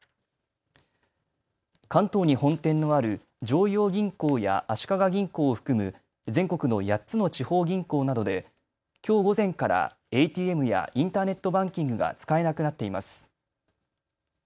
関東に本店のある常陽銀行や足利銀行を含む全国の８つの地方銀行などできょう午前からＡＴＭやインターネットバンキングが使えなくなっています。